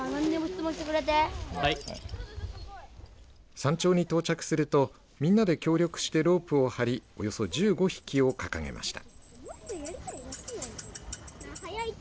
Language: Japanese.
山頂に到着するとみんなで協力してロープを張りおよそ１５匹を掲げました。